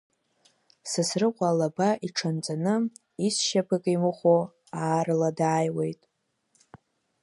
Сасрыҟәа алаба иҽанҵаны, изшьапык имыхәо, аарла дааиуеит.